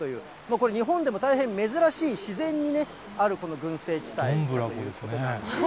これ、日本でも大変珍しい自然にね、あるこの群生地帯ということなんです。